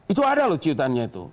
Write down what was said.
itu ada loh cuitannya itu